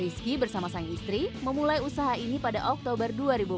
rizky bersama sang istri memulai usaha ini pada oktober dua ribu empat belas